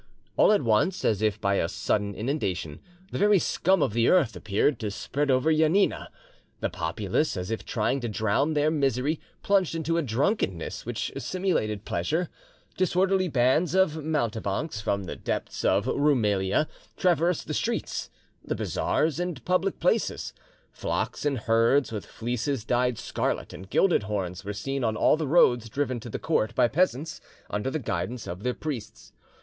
All at once, as if by a sudden inundation, the very scum of the earth appeared to spread over Janina. The populace, as if trying to drown their misery, plunged into a drunkenness which simulated pleasure. Disorderly bands of mountebanks from the depths of Roumelia traversed the streets, the bazaars and public places; flocks and herds, with fleeces dyed scarlet, and gilded horns, were seen on all the roads driven to the court by peasants under the guidance of their priests.